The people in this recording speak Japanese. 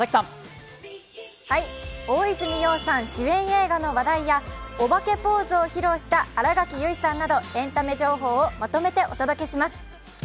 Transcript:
大泉洋さん主演映画の話題やおばけポーズを披露した新垣結衣さんなど、エンタメ情報をまとめてお届けします。